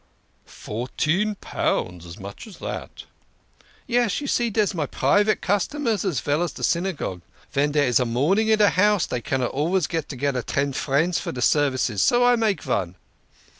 " Fourteen pounds ! As much as that? "" Yes, you see dere's my private customers as veil as de Synagogue. Ven dere is mourning in a house dey cannot alvays get together ten friends for de services, so I make von.